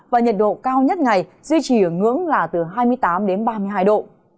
và nhiệt độ cao nhất ngày duy trì ở ngưỡng là từ hai mươi tám đến ba mươi hai độ